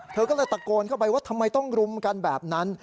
เธอก็เลยตะโกนเข้าไปว่าทำไมต้องรุมกันแบบนั้น